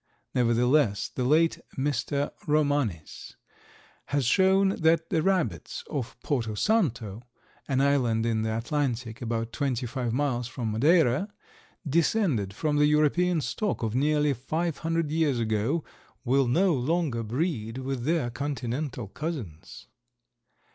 Nevertheless, the late Mr. Romanes has shown that the rabbits of Porto Santo, an island in the Atlantic, about twenty five miles from Madeira, descended from the European stock of nearly 500 years ago, will no longer breed with their continental cousins.